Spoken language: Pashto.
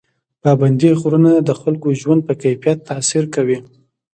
پابندي غرونه د خلکو د ژوند په کیفیت تاثیر کوي.